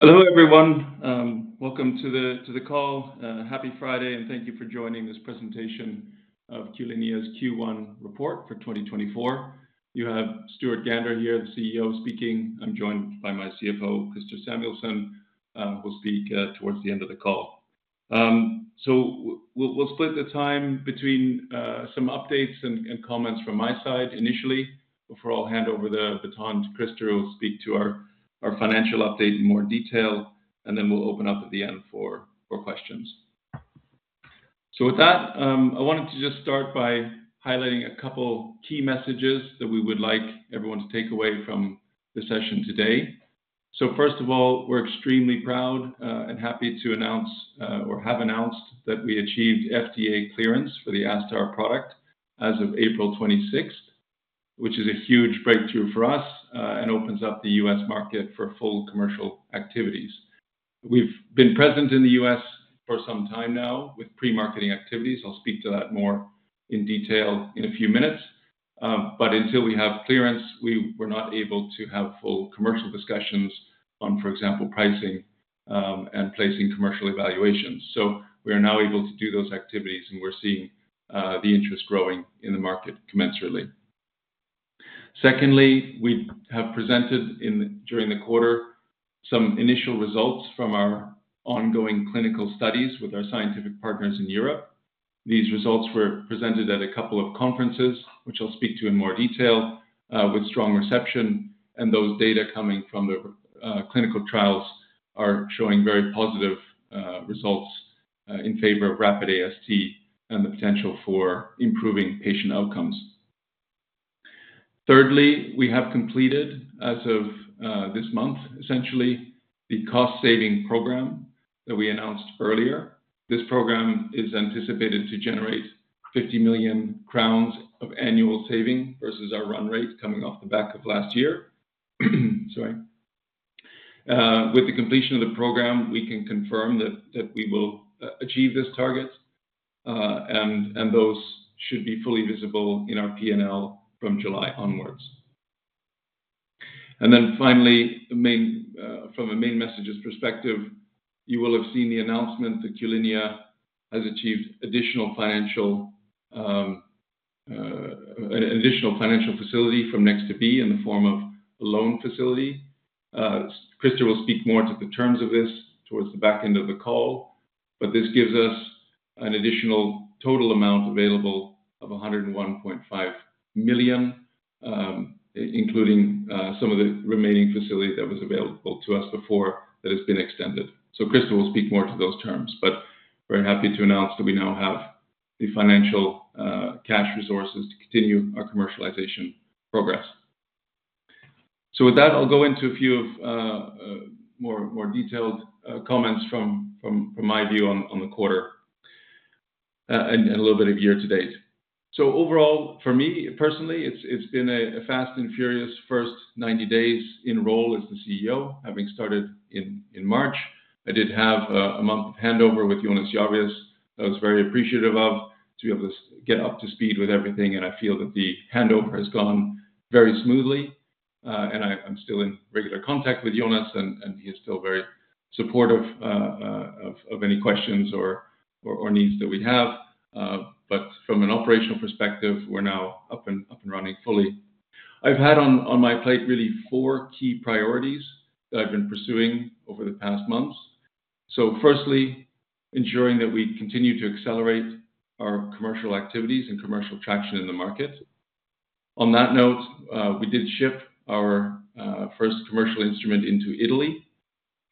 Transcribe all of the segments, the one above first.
Hello, everyone. Welcome to the call. Happy Friday, and thank you for joining this presentation of Q-linea's Q1 report for 2024. You have Stuart Gander here, the CEO, speaking. I'm joined by my CFO, Christer Samuelsson, who will speak towards the end of the call. So we'll split the time between some updates and comments from my side initially, before I'll hand over the baton to Christer, who will speak to our financial update in more detail, and then we'll open up at the end for questions. So with that, I wanted to just start by highlighting a couple key messages that we would like everyone to take away from the session today. So first of all, we're extremely proud and happy to announce or have announced that we achieved FDA clearance for the ASTar product as of April 26th, which is a huge breakthrough for us and opens up the U.S. market for full commercial activities. We've been present in the U.S. for some time now with pre-marketing activities. I'll speak to that more in detail in a few minutes, but until we have clearance, we were not able to have full commercial discussions on, for example, pricing and placing commercial evaluations. So we are now able to do those activities, and we're seeing the interest growing in the market commensurately. Secondly, we have presented during the quarter, some initial results from our ongoing clinical studies with our scientific partners in Europe. These results were presented at a couple of conferences, which I'll speak to in more detail, with strong reception, and those data coming from the, clinical trials are showing very positive, results, in favor of Rapid AST and the potential for improving patient outcomes. Thirdly, we have completed, as of, this month, essentially, the cost-saving program that we announced earlier. This program is anticipated to generate 50 million crowns of annual saving versus our run rate coming off the back of last year. Sorry. With the completion of the program, we can confirm that we will achieve this target, and those should be fully visible in our P&L from July onwards. Then finally, the main from a main messages perspective, you will have seen the announcement that Q-linea has achieved additional financial facility from Nexttobe in the form of a loan facility. Christer will speak more to the terms of this towards the back end of the call, but this gives us an additional total amount available of 101.5 million, including some of the remaining facility that was available to us before that has been extended. So Christer will speak more to those terms, but we're happy to announce that we now have the financial cash resources to continue our commercialization progress. So with that, I'll go into a few more detailed comments from my view on the quarter, and a little bit of year to date. So overall, for me personally, it's been a fast and furious first 90 days in role as the CEO, having started in March. I did have a month handover with Jonas Jarvius. I was very appreciative of to be able to get up to speed with everything, and I feel that the handover has gone very smoothly, and I'm still in regular contact with Jonas, and he is still very supportive of any questions or needs that we have. But from an operational perspective, we're now up and running fully. I've had on my plate really four key priorities that I've been pursuing over the past months. So firstly, ensuring that we continue to accelerate our commercial activities and commercial traction in the market. On that note, we did ship our first commercial instrument into Italy,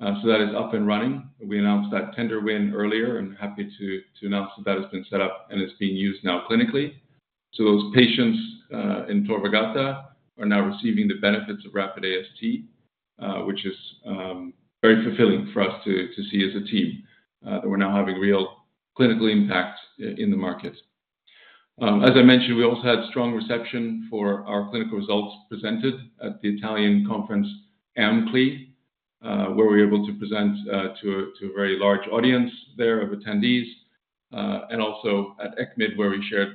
so that is up and running. We announced that tender win earlier, and happy to announce that has been set up and is being used now clinically. So those patients in Tor Vergata are now receiving the benefits of Rapid AST, which is very fulfilling for us to see as a team that we're now having real clinical impact in the market. As I mentioned, we also had strong reception for our clinical results presented at the Italian conference, AMCLI, where we were able to present to a very large audience there of attendees, and also at ECCMID, where we shared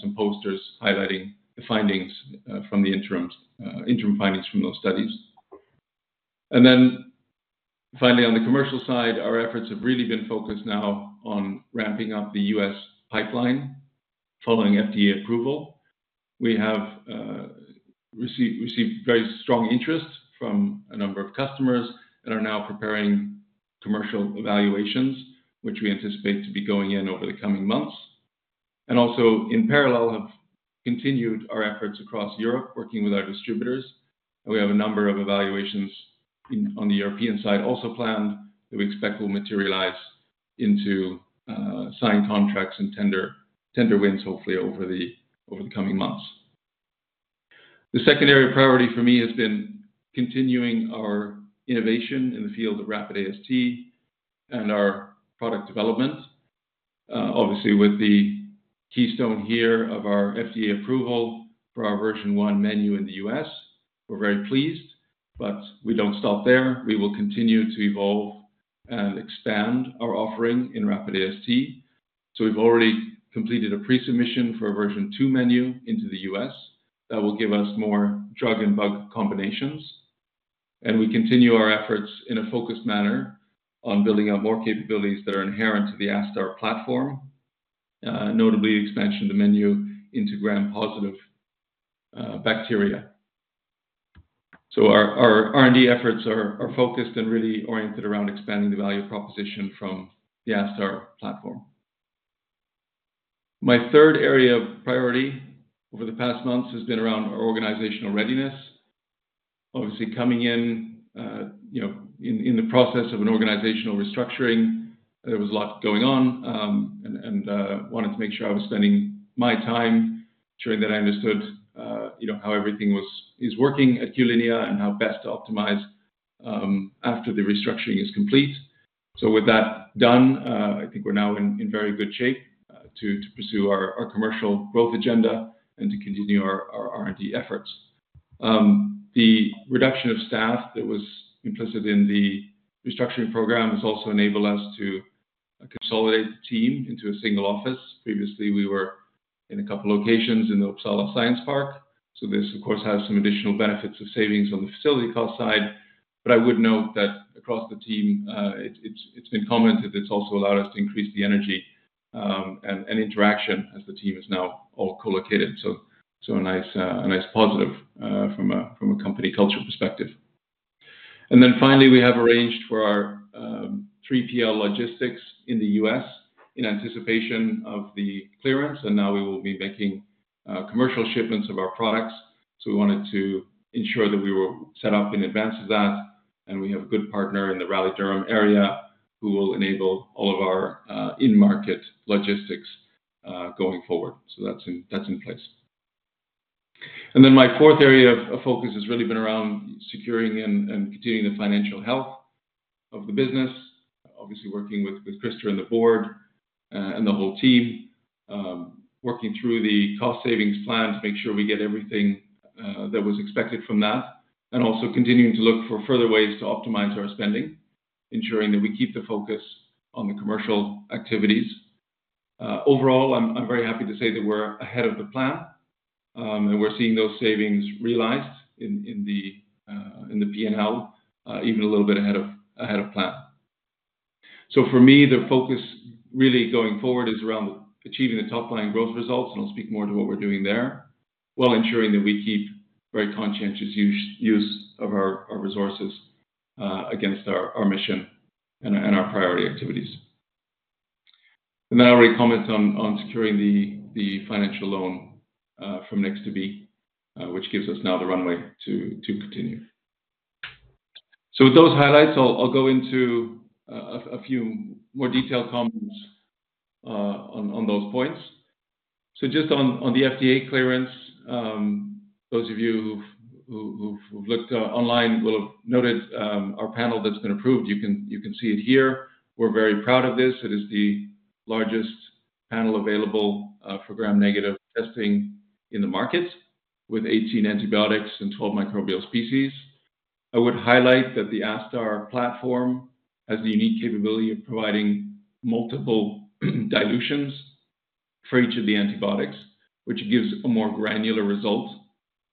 some posters highlighting the findings from the interim findings from those studies. Then finally, on the commercial side, our efforts have really been focused now on ramping up the U.S. pipeline following FDA approval. We have received very strong interest from a number of customers and are now preparing commercial evaluations, which we anticipate to be going in over the coming months. Also, in parallel, have continued our efforts across Europe, working with our distributors. We have a number of evaluations in, on the European side, also planned, that we expect will materialize into signed contracts and tender, tender wins, hopefully over the coming months. The second area of priority for me has been continuing our innovation in the field of Rapid AST and our product development. Obviously, with the keystone here of our FDA approval for our version 1 menu in the U.S., we're very pleased, but we don't stop there. We will continue to evolve and expand our offering in Rapid AST.... So we've already completed a pre-submission for a version 2 menu into the U.S. That will give us more drug and bug combinations. And we continue our efforts in a focused manner on building out more capabilities that are inherent to the ASTar platform, notably expansion to menu into Gram-positive bacteria. So our R&D efforts are focused and really oriented around expanding the value proposition from the ASTar platform. My third area of priority over the past months has been around our organizational readiness. Obviously, coming in, you know, in the process of an organizational restructuring, there was a lot going on, and wanted to make sure I was spending my time ensuring that I understood, you know, how everything is working at Q-linea and how best to optimize, after the restructuring is complete. So with that done, I think we're now in very good shape, to pursue our commercial growth agenda and to continue our R&D efforts. The reduction of staff that was implicit in the restructuring program has also enabled us to consolidate the team into a single office. Previously, we were in a couple locations in the Uppsala Science Park, so this, of course, has some additional benefits of savings on the facility cost side. But I would note that across the team, it's been commented that it's also allowed us to increase the energy and interaction as the team is now all co-located. So a nice positive from a company culture perspective. And then finally, we have arranged for our 3PL logistics in the U.S. in anticipation of the clearance, and now we will be making commercial shipments of our products. So we wanted to ensure that we were set up in advance of that, and we have a good partner in the Raleigh-Durham area who will enable all of our in-market logistics going forward. So that's in place. And then my fourth area of focus has really been around securing and continuing the financial health of the business. Obviously, working with Christer and the board, and the whole team, working through the cost savings plan to make sure we get everything that was expected from that, and also continuing to look for further ways to optimize our spending, ensuring that we keep the focus on the commercial activities. Overall, I'm very happy to say that we're ahead of the plan, and we're seeing those savings realized in the P&L, even a little bit ahead of plan. So for me, the focus really going forward is around achieving the top line growth results, and I'll speak more to what we're doing there, while ensuring that we keep very conscientious use of our resources against our mission and our priority activities. And then I already commented on securing the financial loan from Nexttobe, which gives us now the runway to continue. So with those highlights, I'll go into a few more detailed comments on those points. So just on the FDA clearance, those of you who've looked online will have noted our panel that's been approved. You can see it here. We're very proud of this. It is the largest panel available for Gram-negative testing in the market, with 18 antibiotics and 12 microbial species. I would highlight that the ASTar platform has the unique capability of providing multiple dilutions for each of the antibiotics, which gives a more granular result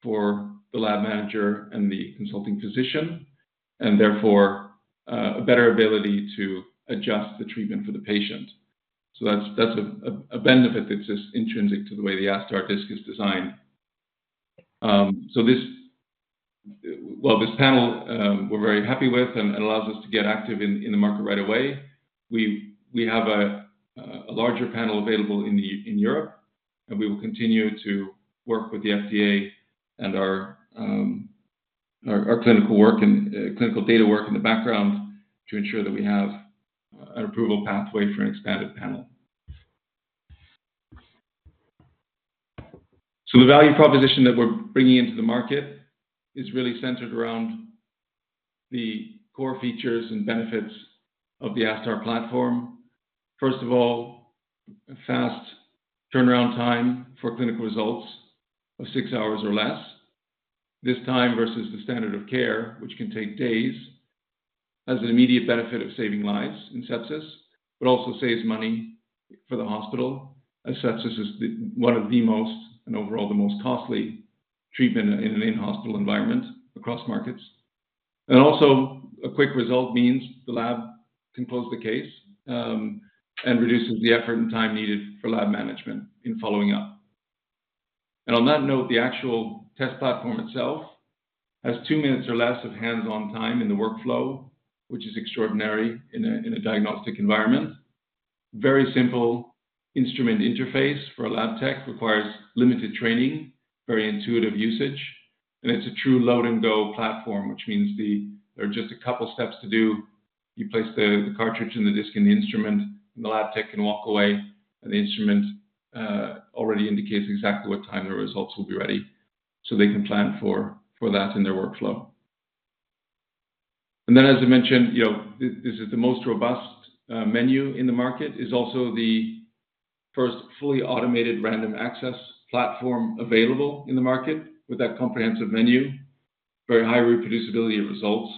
for the lab manager and the consulting physician, and therefore a better ability to adjust the treatment for the patient. So that's a benefit that's just intrinsic to the way the ASTar disc is designed. Well, this panel we're very happy with, and it allows us to get active in the market right away. We have a larger panel available in Europe, and we will continue to work with the FDA and our clinical work and clinical data work in the background to ensure that we have an approval pathway for an expanded panel. So the value proposition that we're bringing into the market is really centered around the core features and benefits of the ASTar platform. First of all, a fast turnaround time for clinical results of six hours or less. This time, versus the standard of care, which can take days, has an immediate benefit of saving lives in sepsis, but also saves money for the hospital, as sepsis is the one of the most and overall the most costly treatment in an in-hospital environment across markets. Also, a quick result means the lab can close the case, and reduces the effort and time needed for lab management in following up. On that note, the actual test platform itself has 2 minutes or less of hands-on time in the workflow, which is extraordinary in a diagnostic environment. Very simple instrument interface for a lab tech, requires limited training, very intuitive usage, and it's a true load-and-go platform, which means there are just a couple of steps to do. You place the cartridge and the disc in the instrument, and the lab tech can walk away, and the instrument already indicates exactly what time the results will be ready, so they can plan for that in their workflow. As I mentioned, you know, this is the most robust menu in the market. It is also the first fully automated random access platform available in the market with that comprehensive menu, very high reproducibility of results,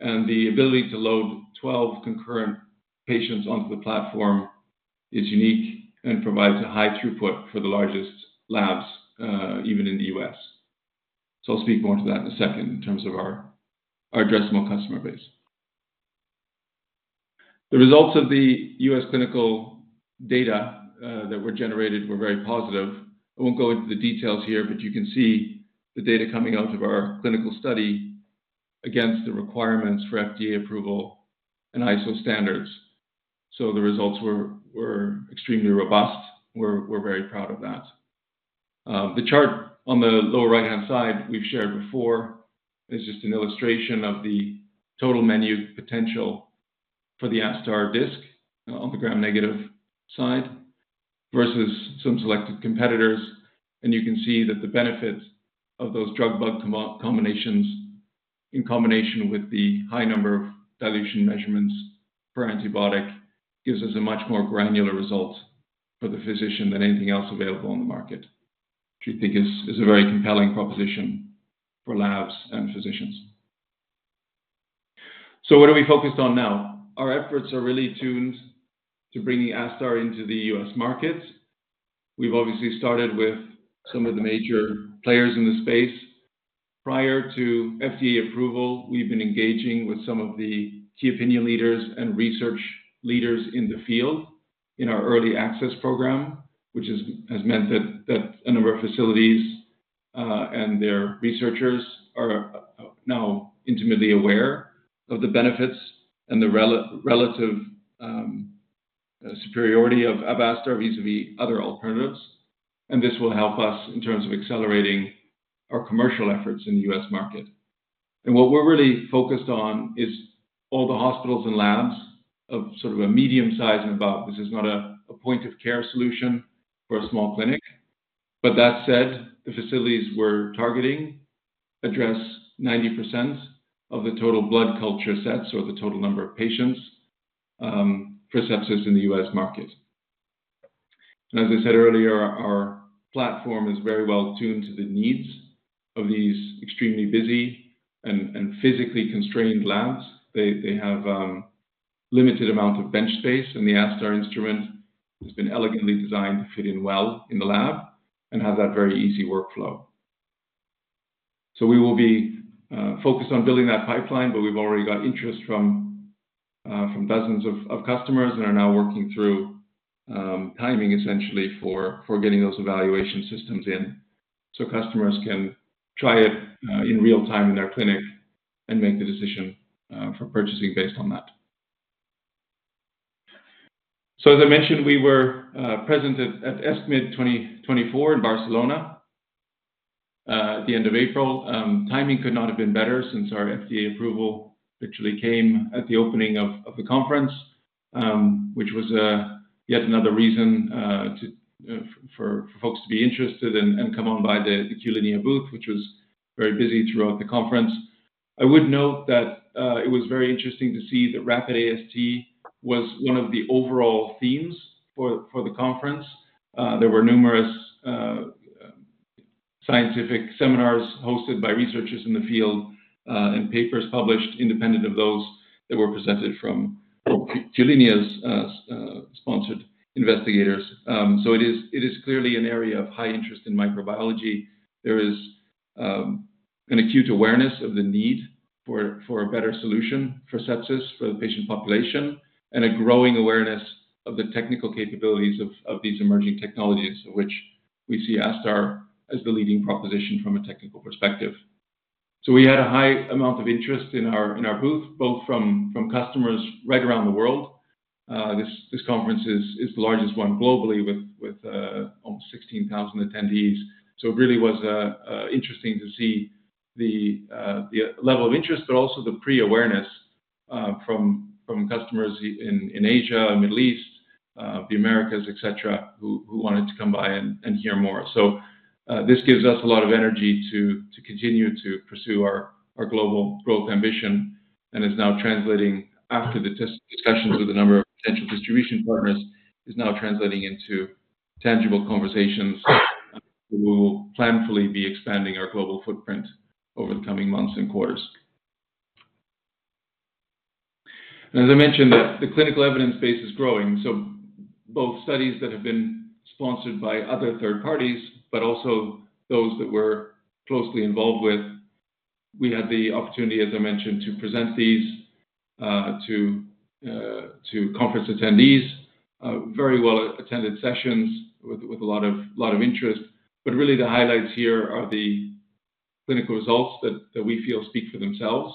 and the ability to load 12 concurrent patients onto the platform is unique and provides a high throughput for the largest labs, even in the U.S. So I'll speak more to that in a second in terms of our addressable customer base. The results of the U.S. clinical data that were generated were very positive. I won't go into the details here, but you can see the data coming out of our clinical study against the requirements for FDA approval and ISO standards. So the results were extremely robust. We're very proud of that. The chart on the lower right-hand side, we've shared before, is just an illustration of the total menu potential for the ASTar disc on the Gram-negative side versus some selected competitors. You can see that the benefit of those drug bug combinations, in combination with the high number of dilution measurements per antibiotic, gives us a much more granular result for the physician than anything else available on the market, which we think is a very compelling proposition for labs and physicians. So what are we focused on now? Our efforts are really tuned to bringing ASTar into the U.S. market. We've obviously started with some of the major players in the space. Prior to FDA approval, we've been engaging with some of the key opinion leaders and research leaders in the field in our early access program, which has meant that a number of facilities and their researchers are now intimately aware of the benefits and the relative superiority of ASTar vis-à-vis other alternatives. This will help us in terms of accelerating our commercial efforts in the U.S. market. What we're really focused on is all the hospitals and labs of sort of a medium size and above. This is not a point of care solution for a small clinic, but that said, the facilities we're targeting address 90% of the total blood culture sets or the total number of patients for sepsis in the U.S. market. And as I said earlier, our platform is very well tuned to the needs of these extremely busy and physically constrained labs. They have a limited amount of bench space, and the ASTar instrument has been elegantly designed to fit in well in the lab and have that very easy workflow. So we will be focused on building that pipeline, but we've already got interest from dozens of customers and are now working through timing essentially for getting those evaluation systems in, so customers can try it in real time in their clinic and make the decision for purchasing based on that. So as I mentioned, we were present at ECCMID 2024 in Barcelona at the end of April. Timing could not have been better since our FDA approval literally came at the opening of the conference, which was yet another reason for folks to be interested and come on by the Q-linea booth, which was very busy throughout the conference. I would note that it was very interesting to see that Rapid AST was one of the overall themes for the conference. There were numerous scientific seminars hosted by researchers in the field, and papers published independent of those that were presented from Q-linea's sponsored investigators. So it is clearly an area of high interest in microbiology. There is an acute awareness of the need for a better solution for sepsis, for the patient population, and a growing awareness of the technical capabilities of these emerging technologies, which we see ASTar as the leading proposition from a technical perspective. So we had a high amount of interest in our booth, both from customers right around the world. This conference is the largest one globally, with almost 16,000 attendees. So it really was interesting to see the level of interest, but also the pre-awareness from customers in Asia, Middle East, the Americas, et cetera, who wanted to come by and hear more. So, this gives us a lot of energy to continue to pursue our global growth ambition, and is now translating after the test discussions with a number of potential distribution partners, is now translating into tangible conversations. We will planfully be expanding our global footprint over the coming months and quarters. As I mentioned, the clinical evidence base is growing, so both studies that have been sponsored by other third parties, but also those that we're closely involved with. We had the opportunity, as I mentioned, to present these to conference attendees, very well-attended sessions with a lot of interest. Really the highlights here are the clinical results that we feel speak for themselves.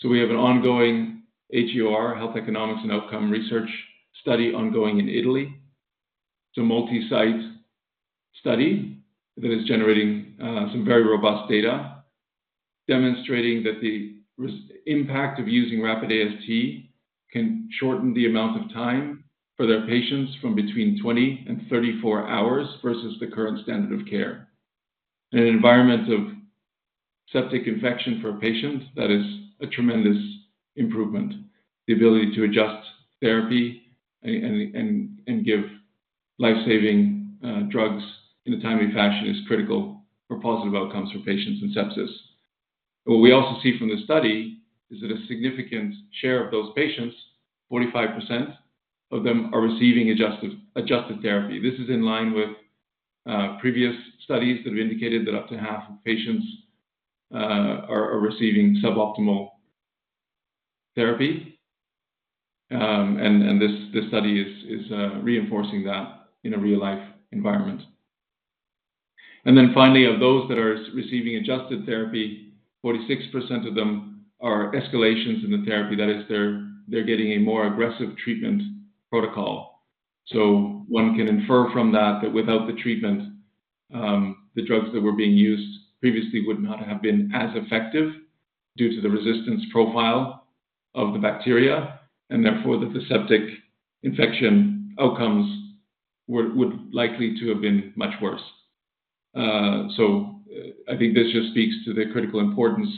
So we have an ongoing HEOR, Health Economics and Outcomes Research study, ongoing in Italy. It's a multi-site study that is generating some very robust data, demonstrating that the impact of using Rapid AST can shorten the amount of time for their patients from between 20 and 34 hours versus the current standard of care. In an environment of septic infection for a patient, that is a tremendous improvement, the ability to adjust therapy and give life-saving drugs in a timely fashion is critical for positive outcomes for patients in sepsis. But what we also see from the study is that a significant share of those patients, 45% of them, are receiving adjusted therapy. This is in line with previous studies that have indicated that up to half of patients are receiving suboptimal therapy. And this study is reinforcing that in a real-life environment. And then finally, of those that are receiving adjusted therapy, 46% of them are escalations in the therapy. That is, they're, they're getting a more aggressive treatment protocol. So one can infer from that, that without the treatment, the drugs that were being used previously would not have been as effective due to the resistance profile of the bacteria, and therefore, the sepsis outcomes would, would likely to have been much worse. So I think this just speaks to the critical importance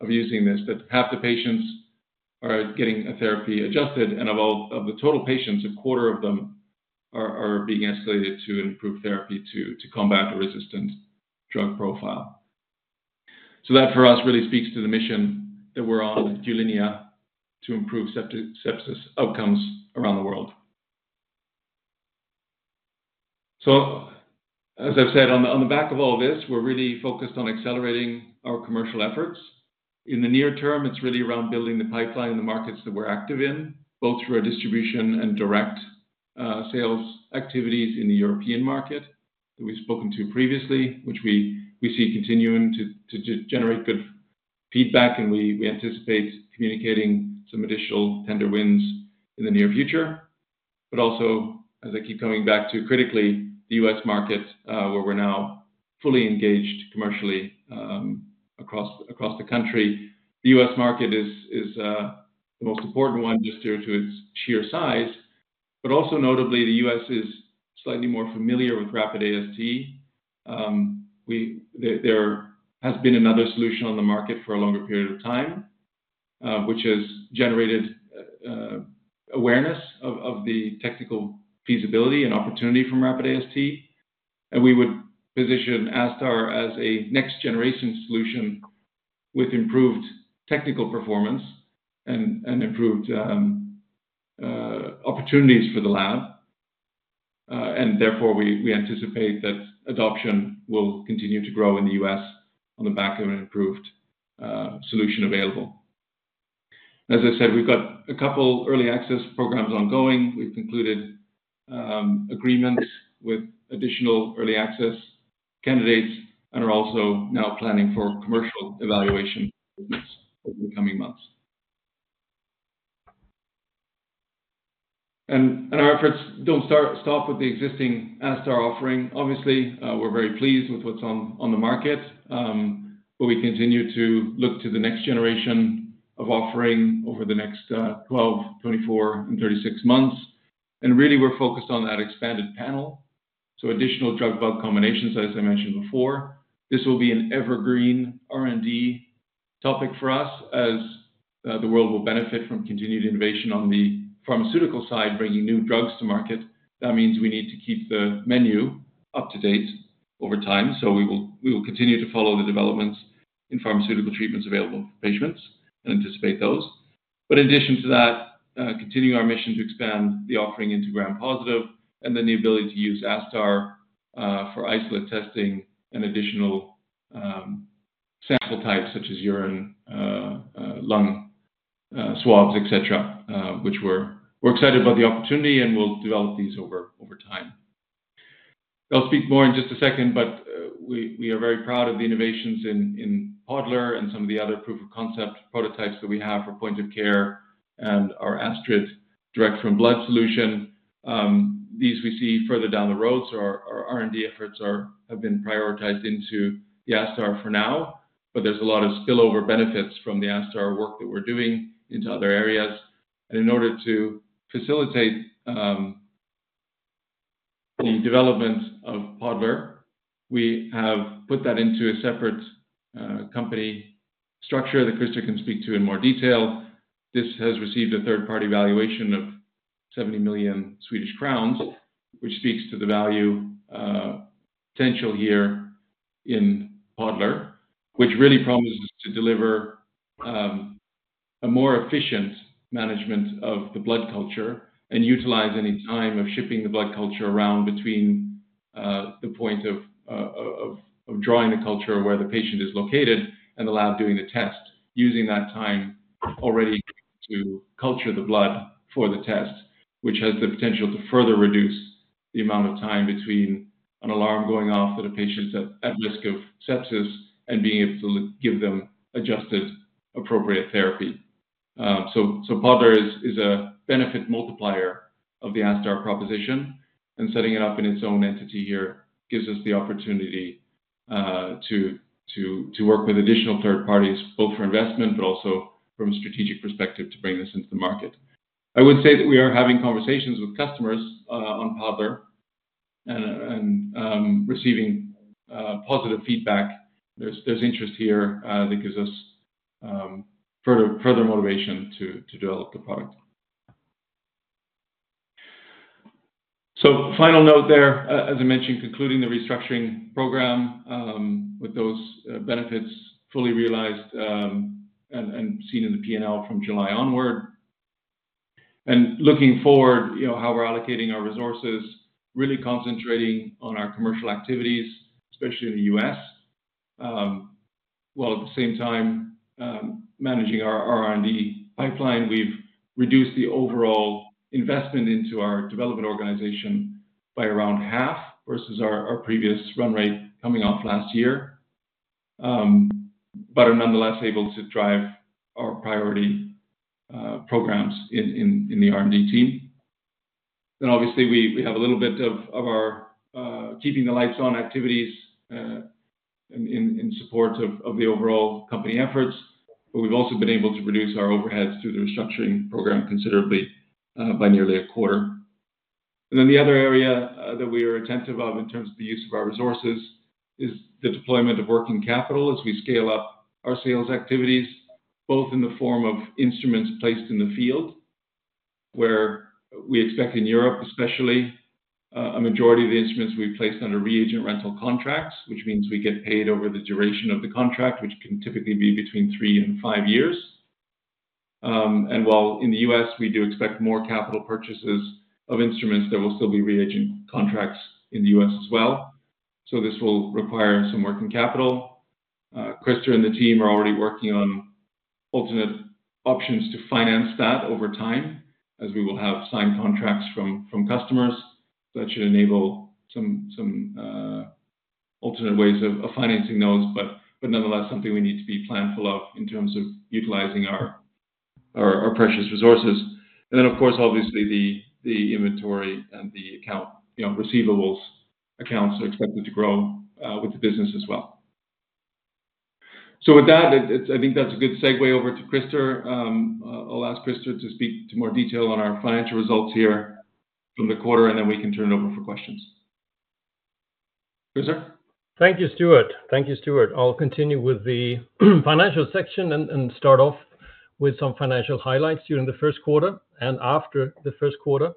of using this, that half the patients are getting a therapy adjusted, and of all of the total patients, a quarter of them are, are being escalated to improved therapy to, to combat the resistant drug profile. So that, for us, really speaks to the mission that we're on at Q-linea to improve sepsis outcomes around the world. So as I've said, on the back of all this, we're really focused on accelerating our commercial efforts. In the near term, it's really around building the pipeline in the markets that we're active in, both through our distribution and direct sales activities in the European market that we've spoken to previously, which we see continuing to generate good feedback, and we anticipate communicating some additional tender wins in the near future. But also, as I keep coming back to, critically, the U.S. market, where we're now fully engaged commercially, across the country. The U.S. market is the most important one just due to its sheer size. But also notably, the U.S. is slightly more familiar with rapid AST. We... There has been another solution on the market for a longer period of time, which has generated awareness of the technical feasibility and opportunity from rapid AST. And we would position ASTar as a next generation solution with improved technical performance and improved opportunities for the lab. And therefore, we anticipate that adoption will continue to grow in the U.S. on the back of an improved solution available. As I said, we've got a couple early access programs ongoing. We've concluded agreements with additional early access candidates and are also now planning for commercial evaluation over the coming months. Our efforts don't stop with the existing ASTar offering. Obviously, we're very pleased with what's on, on the market, but we continue to look to the next generation of offering over the next 12, 24, and 36 months. And really, we're focused on that expanded panel, so additional drug-bug combinations, as I mentioned before. This will be an evergreen R&D topic for us as the world will benefit from continued innovation on the pharmaceutical side, bringing new drugs to market. That means we need to keep the menu up to date over time, so we will, we will continue to follow the developments in pharmaceutical treatments available for patients and anticipate those. But in addition to that, continuing our mission to expand the offering into Gram-positive and then the ability to use ASTar for isolate testing and additional sample types such as urine, lung, swabs, et cetera, which we're excited about the opportunity and we'll develop these over time. I'll speak more in just a second, but we are very proud of the innovations in Podler and some of the other proof of concept prototypes that we have for point of care and our ASTrID direct from blood solution. These we see further down the road, so our R&D efforts have been prioritized into the ASTar for now, but there's a lot of spillover benefits from the ASTar work that we're doing into other areas. In order to facilitate the development of Podler, we have put that into a separate company structure that Christer can speak to in more detail. This has received a third-party valuation of 70 million Swedish crowns, which speaks to the value potential here in Podler, which really promises to deliver a more efficient management of the blood culture and utilize any time of shipping the blood culture around between the point of drawing the culture where the patient is located and the lab doing the test, using that time already to culture the blood for the test. Which has the potential to further reduce the amount of time between an alarm going off that a patient's at risk of sepsis and being able to give them adjusted, appropriate therapy. So Podler is a benefit multiplier of the ASTar proposition, and setting it up in its own entity here gives us the opportunity to work with additional third parties, both for investment, but also from a strategic perspective, to bring this into the market. I would say that we are having conversations with customers on Podler and receiving positive feedback. There's interest here that gives us further motivation to develop the product. So final note there, as I mentioned, concluding the restructuring program with those benefits fully realized and seen in the P&L from July onward. Looking forward, you know, how we're allocating our resources, really concentrating on our commercial activities, especially in the U.S. While at the same time, managing our R&D pipeline, we've reduced the overall investment into our development organization by around half versus our previous run rate coming off last year. But are nonetheless able to drive our priority programs in the R&D team. Then obviously, we have a little bit of our keeping the lights on activities in support of the overall company efforts, but we've also been able to reduce our overheads through the restructuring program considerably by nearly a quarter. Then the other area that we are attentive of in terms of the use of our resources is the deployment of working capital as we scale up our sales activities, both in the form of instruments placed in the field, where we expect in Europe, especially, a majority of the instruments we placed under reagent rental contracts, which means we get paid over the duration of the contract, which can typically be between 3 and 5 years. And while in the U.S., we do expect more capital purchases of instruments, there will still be reagent contracts in the U.S. as well, so this will require some working capital. Christer and the team are already working on alternate options to finance that over time, as we will have signed contracts from customers. That should enable some alternate ways of financing those, but nonetheless, something we need to be planful of in terms of utilizing our precious resources. And then, of course, obviously, the inventory and the account, you know, receivables accounts are expected to grow with the business as well. So with that, it's-- I think that's a good segue over to Christer. I'll ask Christer to speak to more detail on our financial results here from the quarter, and then we can turn it over for questions. Christer? Thank you, Stuart. Thank you, Stuart. I'll continue with the financial section and start off with some financial highlights during the first quarter and after the first quarter.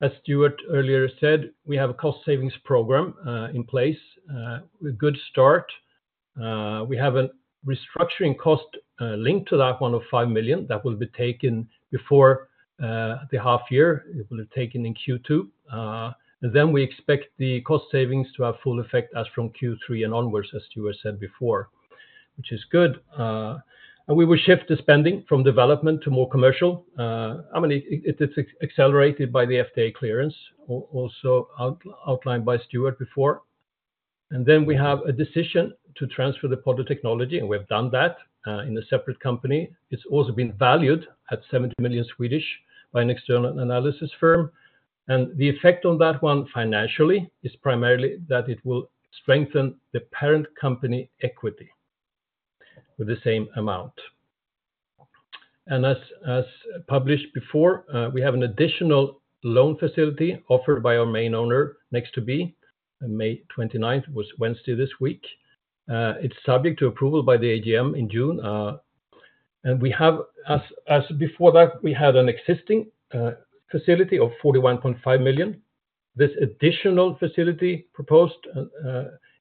As Stuart earlier said, we have a cost savings program in place with good start. We have a restructuring cost linked to that one of 5 million that will be taken before the half year. It will be taken in Q2. And then we expect the cost savings to have full effect as from Q3 and onwards, as Stuart said before, which is good. And we will shift the spending from development to more commercial. I mean, it's accelerated by the FDA clearance, also outlined by Stuart before. And then we have a decision to transfer the Podler technology, and we've done that in a separate company. It's also been valued at 70 million by an external analysis firm, and the effect on that one financially is primarily that it will strengthen the parent company equity with the same amount. And as published before, we have an additional loan facility offered by our main owner, Nexttobe, on May twenty-ninth, was Wednesday this week. It's subject to approval by the AGM in June, and we have. As before that, we had an existing facility of 41.5 million. This additional facility proposed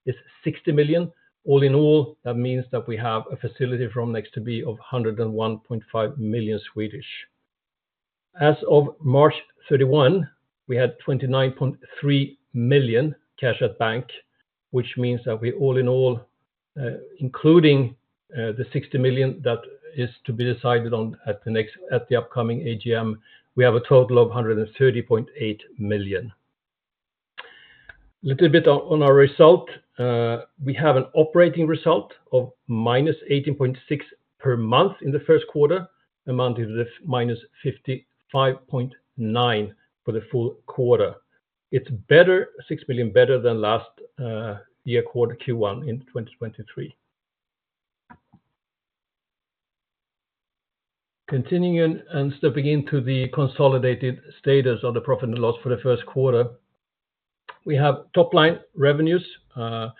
is 60 million. All in all, that means that we have a facility from Nexttobe of 101.5 million. As of March 31, we had 29.3 million cash at bank, which means that we, all in all, including the 60 million that is to be decided on at the upcoming AGM, we have a total of 130.8 million. A little bit on our result. We have an operating result of -18.6 per month in the first quarter, amounted to -55.9 for the full quarter. It's 6 million better than last year's Q1 in 2023. Continuing and stepping into the consolidated status of the profit and loss for the first quarter, we have top-line revenues. The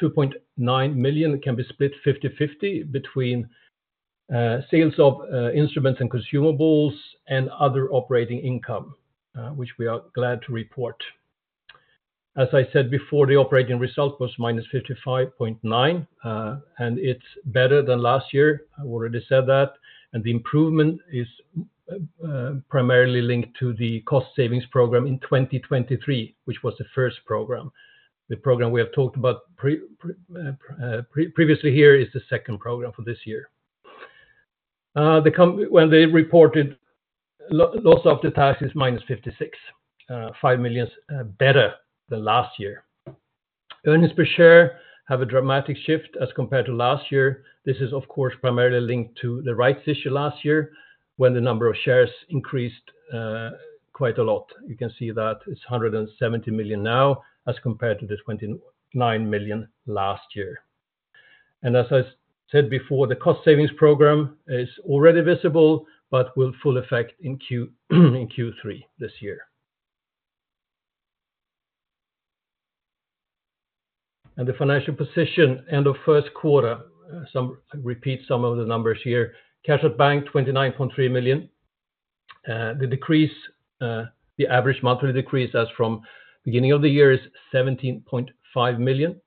2.9 million can be split 50/50 between sales of instruments and consumables and other operating income, which we are glad to report. As I said before, the operating result was -55.9 million, and it's better than last year. I already said that, and the improvement is primarily linked to the cost savings program in 2023, which was the first program. The program we have talked about previously here is the second program for this year. The comprehensive loss after tax is -56.5 million, better than last year. Earnings per share have a dramatic shift as compared to last year. This is, of course, primarily linked to the rights issue last year, when the number of shares increased quite a lot. You can see that it's 170 million now, as compared to the 29 million last year. As I said before, the cost savings program is already visible, but will full effect in Q3 this year. The financial position, end of first quarter, repeat some of the numbers here. Cash at bank, 29.3 million. The decrease, the average monthly decrease as from beginning of the year is 17.5 million.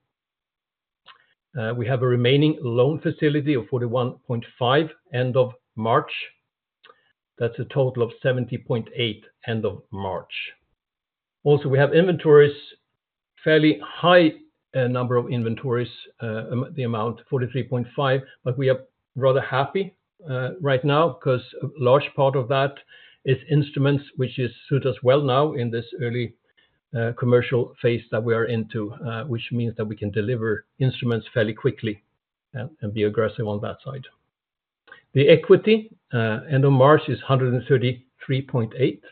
We have a remaining loan facility of 41.5 million, end of March. That's a total of 70.8 million, end of March. Also, we have inventories, fairly high number of inventories, the amount 43.5 million, but we are rather happy right now, 'cause a large part of that is instruments, which suits us well now in this early commercial phase that we are into, which means that we can deliver instruments fairly quickly and be aggressive on that side. The equity end of March is 133.8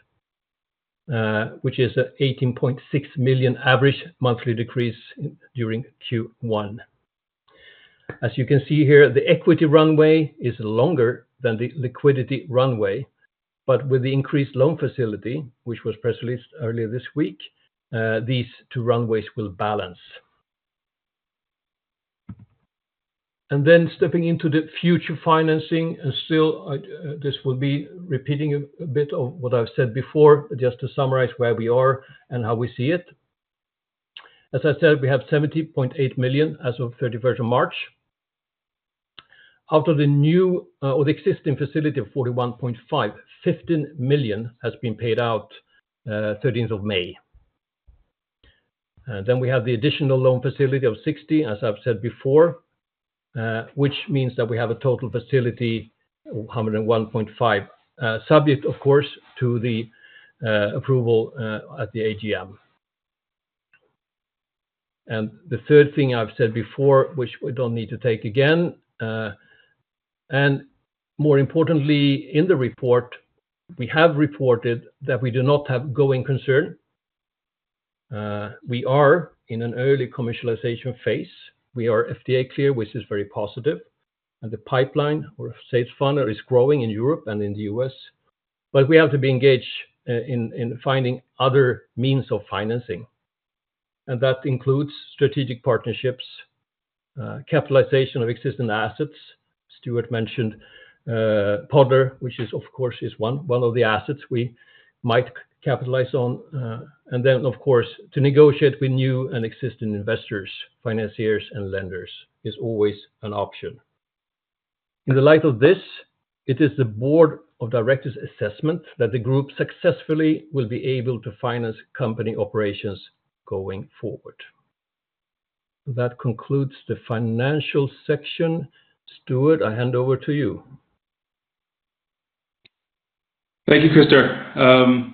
million, which is a 18.6 million average monthly decrease during Q1. As you can see here, the equity runway is longer than the liquidity runway, but with the increased loan facility, which was press released earlier this week, these two runways will balance. Then stepping into the future financing, and still, this will be repeating a bit of what I've said before, just to summarize where we are and how we see it. As I said, we have 70.8 million as of 31st of March. Out of the new, or the existing facility of 41.5 million, 15 million has been paid out, 13th of May. Then we have the additional loan facility of 60 million, as I've said before, which means that we have a total facility of 101.5 million, subject, of course, to the approval at the AGM. And the third thing I've said before, which we don't need to take again, and more importantly, in the report, we have reported that we do not have going concern. We are in an early commercialization phase. We are FDA cleared, which is very positive, and the pipeline or sales funnel is growing in Europe and in the US, but we have to be engaged in finding other means of financing. That includes strategic partnerships, capitalization of existing assets. Stuart mentioned Podler, which is, of course, one of the assets we might capitalize on. And then, of course, to negotiate with new and existing investors, financiers, and lenders is always an option. In the light of this, it is the board of directors' assessment that the group successfully will be able to finance company operations going forward. That concludes the financial section. Stuart, I hand over to you. Thank you, Christer.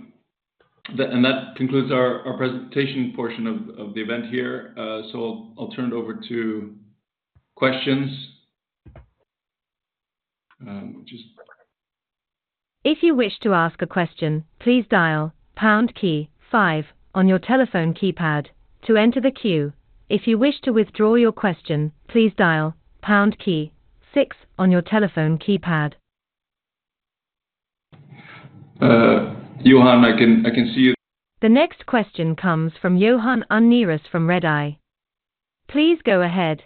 That concludes our presentation portion of the event here. So I'll turn it over to questions. Just- If you wish to ask a question, please dial pound key five on your telephone keypad to enter the queue. If you wish to withdraw your question, please dial pound key six on your telephone keypad. Johan, I can, I can see you. The next question comes from Johan Unnerås from Redeye. Please go ahead.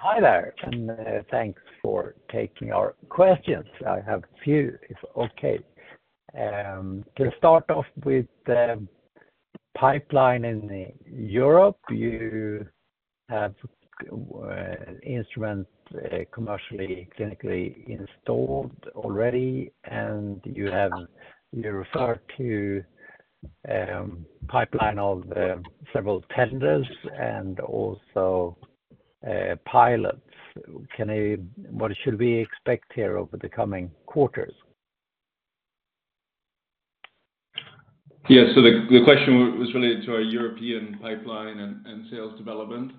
Hi there, and thanks for taking our questions. I have a few, if okay. To start off with the pipeline in Europe, you have instrument commercially, clinically installed already, and you have. You refer to pipeline of several tenders and also pilots. What should we expect here over the coming quarters? Yeah, so the question was related to our European pipeline and sales development.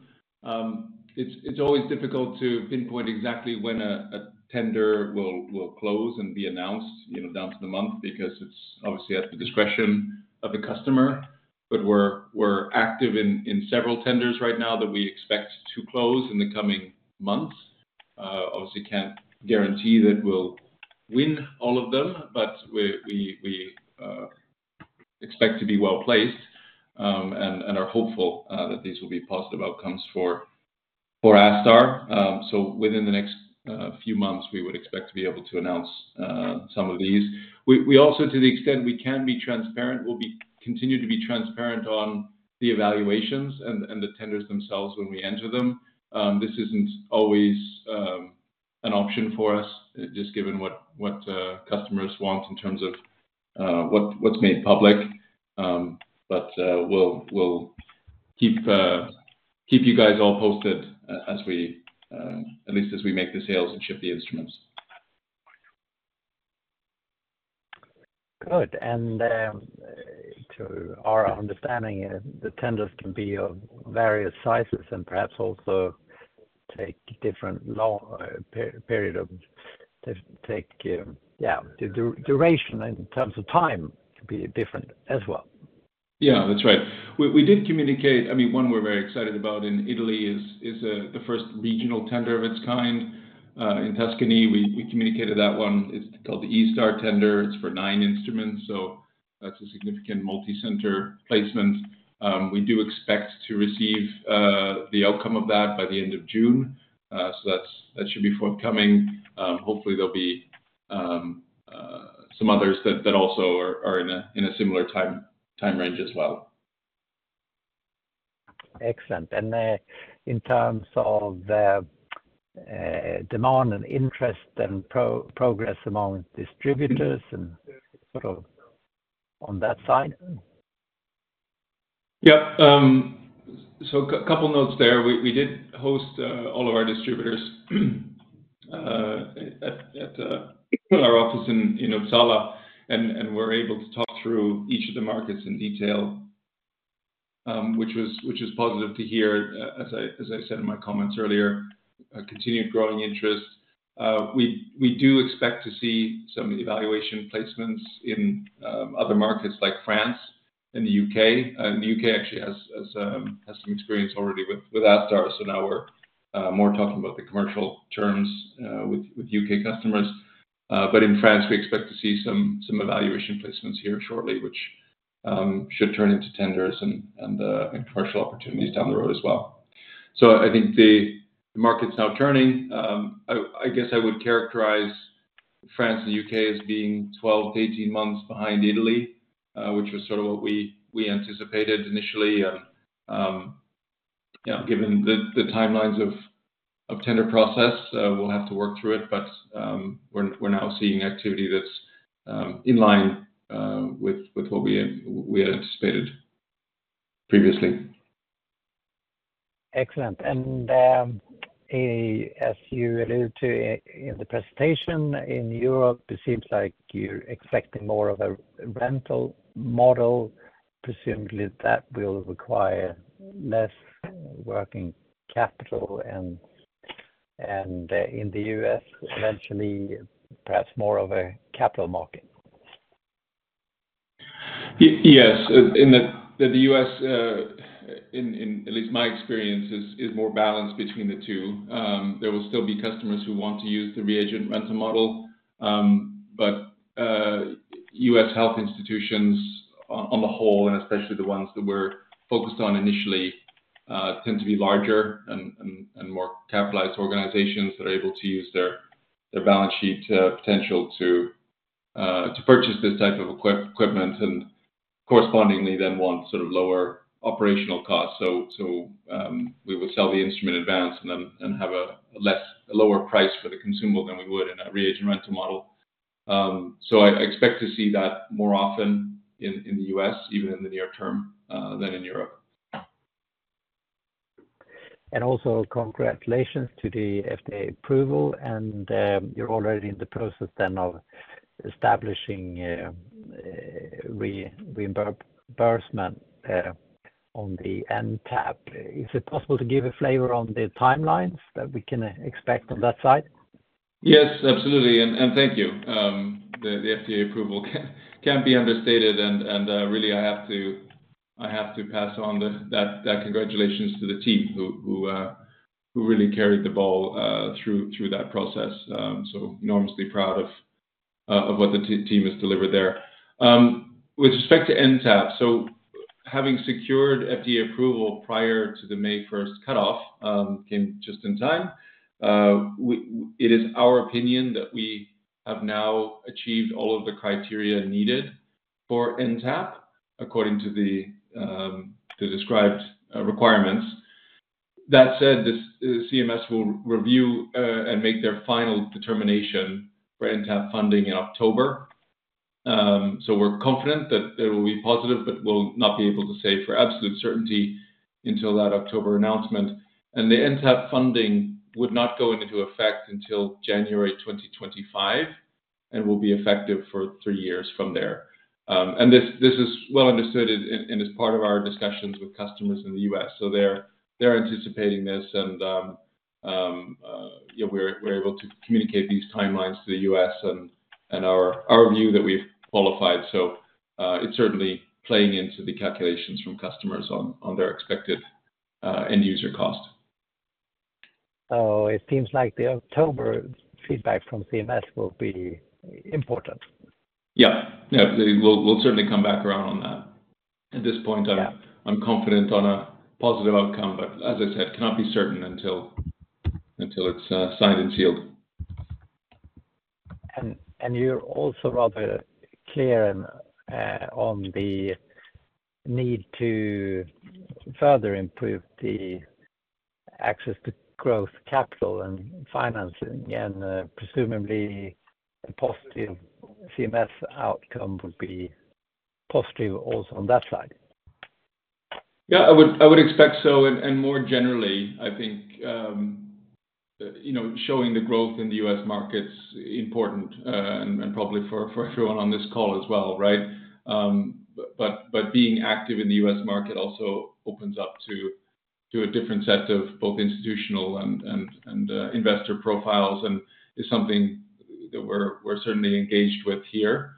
It's always difficult to pinpoint exactly when a tender will close and be announced, you know, down to the month, because it's obviously at the discretion of the customer. But we're active in several tenders right now that we expect to close in the coming months. Obviously, can't guarantee that we'll win all of them, but we expect to be well-placed, and are hopeful that these will be positive outcomes for ASTar. So within the next few months, we would expect to be able to announce some of these. We also, to the extent we can be transparent, will continue to be transparent on the evaluations and the tenders themselves when we enter them. This isn't always an option for us, just given what customers want in terms of what's made public. But we'll keep you guys all posted, at least as we make the sales and ship the instruments. Good. And, to our understanding, the tenders can be of various sizes and perhaps also take different lengths, the duration in terms of time could be different as well.... Yeah, that's right. We did communicate—I mean, one we're very excited about in Italy is the first regional tender of its kind. In Tuscany, we communicated that one. It's called the ESTAR tender. It's for nine instruments, so that's a significant multicenter placement. We do expect to receive the outcome of that by the end of June. So that should be forthcoming. Hopefully, there'll be some others that also are in a similar time range as well. Excellent. And, in terms of the demand and interest and progress among distributors and sort of on that side? Yeah. So a couple notes there. We did host all of our distributors at our office in Uppsala and were able to talk through each of the markets in detail, which was positive to hear. As I said in my comments earlier, continued growing interest. We do expect to see some evaluation placements in other markets like France and the U.K. And the U.K. actually has some experience already with ASTar, so now we're more talking about the commercial terms with U.K. customers. But in France, we expect to see some evaluation placements here shortly, which should turn into tenders and commercial opportunities down the road as well. So I think the market's now turning. I guess I would characterize France and the UK as being 12-18 months behind Italy, which was sort of what we anticipated initially. Yeah, given the timelines of tender process, we'll have to work through it, but we're now seeing activity that's in line with what we had anticipated previously. Excellent. And, as you alluded to in the presentation, in Europe, it seems like you're expecting more of a rental model. Presumably, that will require less working capital and, in the US, eventually, perhaps more of a capital market. Yes, in the U.S., in at least my experience, is more balanced between the two. There will still be customers who want to use the reagent rental model. But, U.S. health institutions on the whole, and especially the ones that we're focused on initially, tend to be larger and more capitalized organizations that are able to use their balance sheet potential to purchase this type of equipment, and correspondingly then want sort of lower operational costs. So, we would sell the instrument in advance and then have a lower price for the consumable than we would in a reagent rental model. So I expect to see that more often in the U.S., even in the near term, than in Europe. And also, congratulations to the FDA approval, and, you're already in the process then of establishing reimbursement on the NTAP. Is it possible to give a flavor on the timelines that we can expect on that side? Yes, absolutely. And thank you. The FDA approval can't be understated, and really, I have to pass on that congratulations to the team who really carried the ball through that process. So enormously proud of what the team has delivered there. With respect to NTAP, having secured FDA approval prior to the May 1 cutoff came just in time. It is our opinion that we have now achieved all of the criteria needed for NTAP, according to the described requirements. That said, CMS will review and make their final determination for NTAP funding in October. So we're confident that they will be positive, but we'll not be able to say for absolute certainty until that October announcement. And the NTAP funding would not go into effect until January 2025, and will be effective for three years from there. And this is well understood and is part of our discussions with customers in the U.S. So they're anticipating this, and, you know, we're able to communicate these timelines to the U.S. and our view that we've qualified. So it's certainly playing into the calculations from customers on their expected end user cost. It seems like the October feedback from CMS will be important. Yeah. Yeah, we'll, we'll certainly come back around on that. At this point- Yeah... I'm confident on a positive outcome, but as I said, cannot be certain until it's signed and sealed. You're also rather clear on the need to further improve the access to growth, capital, and financing, and presumably, a positive CMS outcome would be positive also on that side. Yeah, I would expect so. And more generally, I think, you know, showing the growth in the US market is important, and probably for everyone on this call as well, right? But being active in the US market also opens up to a different set of both institutional and investor profiles, and is something that we're certainly engaged with here.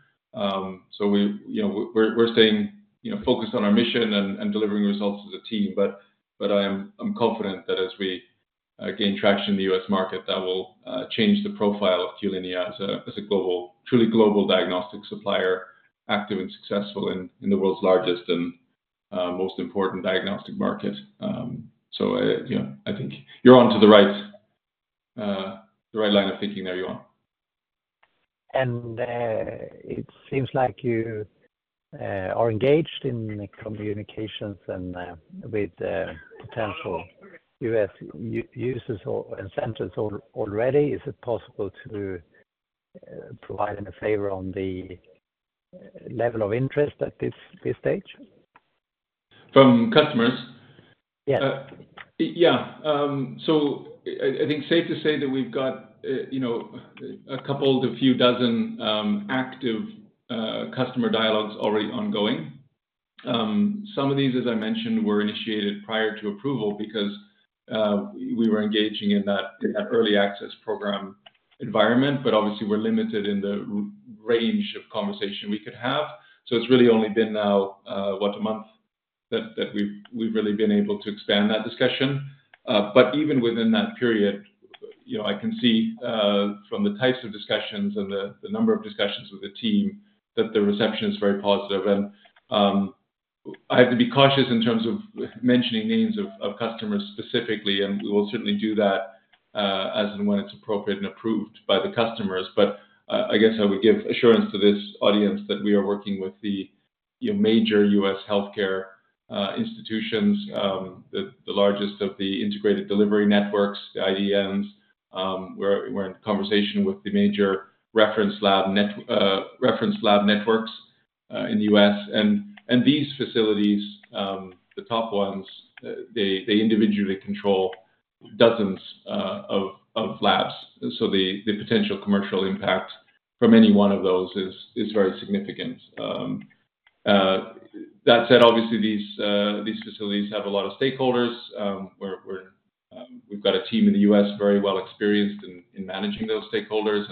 So we, you know, we're staying, you know, focused on our mission and delivering results as a team. But I'm confident that as we gain traction in the US market, that will change the profile of Q-linea as a global, truly global diagnostic supplier, active and successful in the world's largest and most important diagnostic market. So, you know, I think you're on to the right line of thinking there, Johan. It seems like you are engaged in communications with potential US users and centers already. Is it possible to provide any flavor on the level of interest at this stage? From customers? Yeah. Yeah. So I think it's safe to say that we've got, you know, a couple of the few dozen active customer dialogues already ongoing. Some of these, as I mentioned, were initiated prior to approval because we were engaging in that early access program environment. But obviously, we're limited in the range of conversation we could have. So it's really only been now, what, a month, that we've really been able to expand that discussion. But even within that period, you know, I can see from the types of discussions and the number of discussions with the team, that the reception is very positive. I have to be cautious in terms of mentioning names of customers specifically, and we will certainly do that as and when it's appropriate and approved by the customers. I guess I would give assurance to this audience that we are working with the you know major U.S. healthcare institutions, the largest of the integrated delivery networks, the IDNs. We're in conversation with the major reference lab networks in the U.S. And these facilities, the top ones, they individually control dozens of labs. So the potential commercial impact from any one of those is very significant. That said, obviously, these facilities have a lot of stakeholders. We've got a team in the U.S., very well experienced in managing those stakeholders,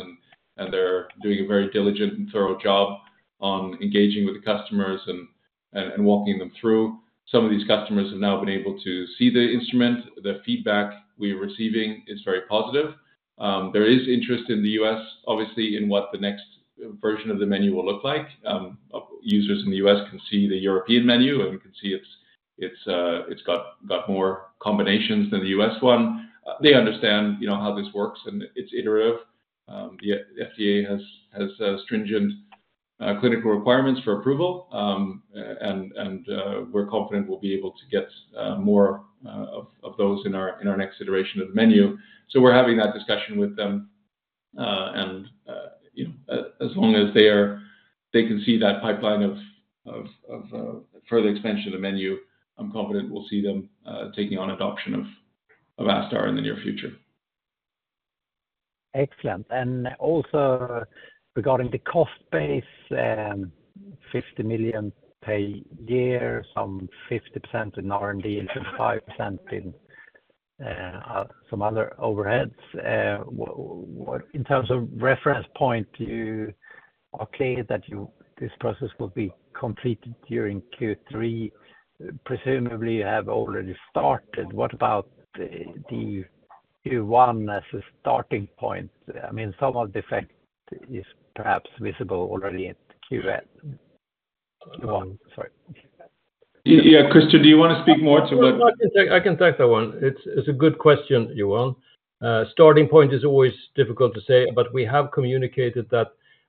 and they're doing a very diligent and thorough job on engaging with the customers and walking them through. Some of these customers have now been able to see the instrument. The feedback we are receiving is very positive. There is interest in the U.S., obviously, in what the next version of the menu will look like. Users in the U.S. can see the European menu, and you can see it's got more combinations than the U.S. one. They understand, you know, how this works, and it's iterative. The FDA has stringent clinical requirements for approval. And we're confident we'll be able to get more of those in our next iteration of the menu. So we're having that discussion with them. And you know, as long as they can see that pipeline of further expansion of the menu, I'm confident we'll see them taking on adoption of ASTar in the near future. Excellent. And also, regarding the cost base, 50 million per year, 50% in R&D, and 5% in some other overheads. In terms of reference point, you are clear that this process will be completed during Q3. Presumably, you have already started. What about the Q1 as a starting point? I mean, some of the effect is perhaps visible already in Q1, sorry. Yeah, Christer, do you want to speak more to that? I can take, I can take that one. It's, it's a good question, Johan. Starting point is always difficult to say, but we have communicated that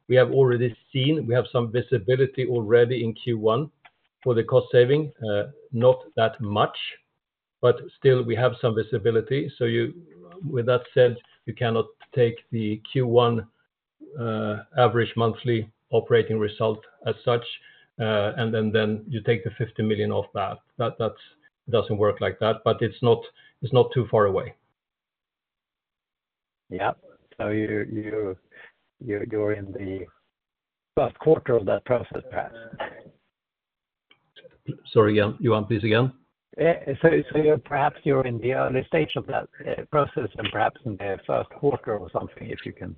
we have already seen, we have some visibility already in Q1 for the cost saving. Not that much, but still we have some visibility. So you—with that said, you cannot take the Q1 average monthly operating result as such, and then, then you take the 50 million off that. That, that's doesn't work like that, but it's not, it's not too far away. Yeah. So you're in the first quarter of that process, perhaps. Sorry, Johan, please again? So, perhaps you're in the early stage of that process and perhaps in the first quarter or something, if you can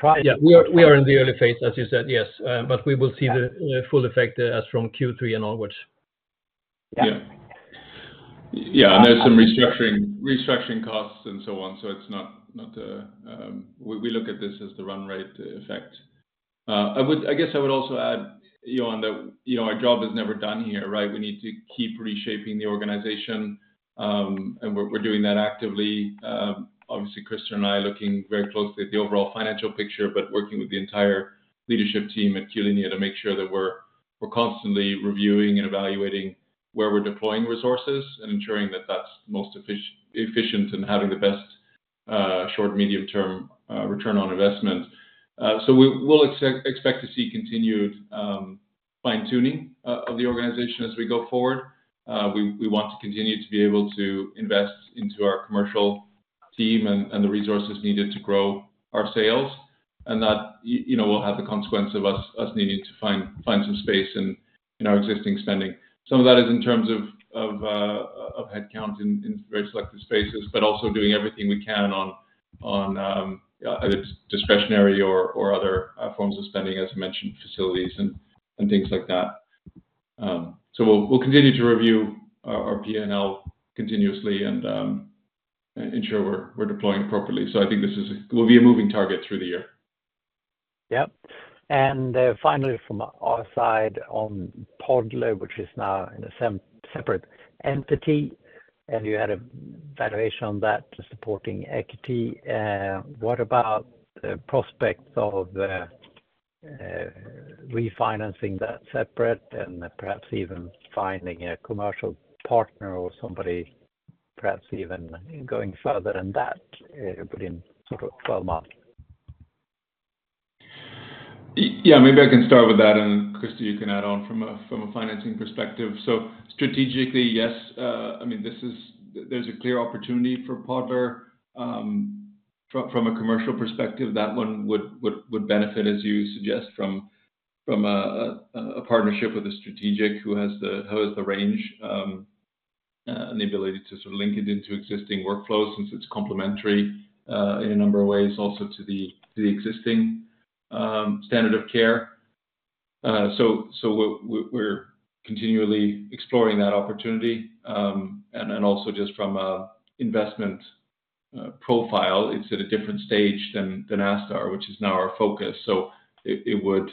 try- Yeah, we are in the early phase, as you said, yes. But we will see the full effect as from Q3 and onwards. Yeah. Yeah. Yeah, and there's some restructuring costs and so on. So it's not... We look at this as the run rate effect. I guess I would also add, Johan, that, you know, our job is never done here, right? We need to keep reshaping the organization, and we're doing that actively. Obviously, Christer and I are looking very closely at the overall financial picture, but working with the entire leadership team at Q-linea to make sure that we're constantly reviewing and evaluating where we're deploying resources, and ensuring that that's most efficient in having the best short, medium-term return on investment. So we'll expect to see continued fine-tuning of the organization as we go forward. We want to continue to be able to invest into our commercial team and the resources needed to grow our sales, and that, you know, will have the consequence of us needing to find some space in our existing spending. Some of that is in terms of headcount in very selective spaces, but also doing everything we can on whether it's discretionary or other forms of spending, as you mentioned, facilities and things like that. So we'll continue to review our PNL continuously and ensure we're deploying appropriately. So I think this is. We'll be a moving target through the year. Yep. And, finally, from our side on Podler, which is now in a separate entity, and you had a valuation on that supporting equity. What about the prospects of, refinancing that separate and perhaps even finding a commercial partner or somebody, perhaps even going further than that, within sort of 12 months? Yeah, maybe I can start with that, and Christer, you can add on from a financing perspective. So strategically, yes, I mean, this is, there's a clear opportunity for Podler. From a commercial perspective, that one would benefit, as you suggest, from a partnership with a strategic who has the range and the ability to sort of link it into existing workflows since it's complementary in a number of ways, also to the existing standard of care. So we're continually exploring that opportunity. And then also just from an investment profile, it's at a different stage than ASTar, which is now our focus. So it would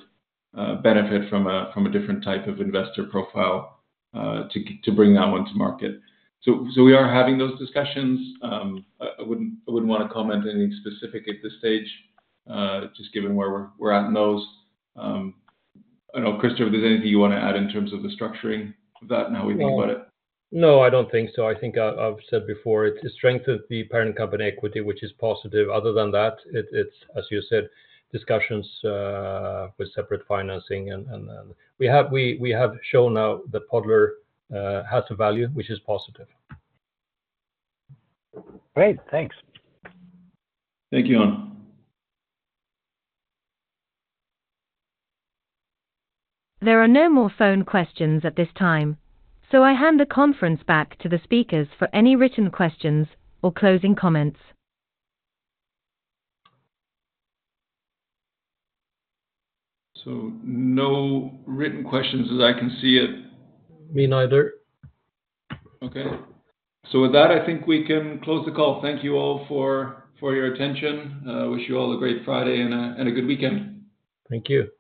benefit from a different type of investor profile to bring that one to market. So we are having those discussions. I wouldn't want to comment on anything specific at this stage, just given where we're at in those. I don't know, Christer, if there's anything you want to add in terms of the structuring of that, now we think about it? No, I don't think so. I think I've said before, it's the strength of the parent company equity, which is positive. Other than that, it's, as you said, discussions with separate financing and we have shown now that Podler has a value, which is positive. Great. Thanks. Thank you, Arne. There are no more phone questions at this time, so I hand the conference back to the speakers for any written questions or closing comments. No written questions as I can see it. Me neither. Okay. So with that, I think we can close the call. Thank you all for your attention. Wish you all a great Friday and a good weekend. Thank you.